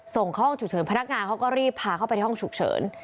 ส่งเข้าห้องฉุกเฉินพนักงานเขาก็รีบพาเข้าไปในห้องฉุกเฉิน